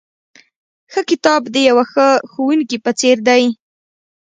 ښه کتاب د یوه ښه ښوونکي په څېر دی.